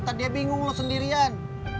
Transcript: tadi ya bingung lu sendirian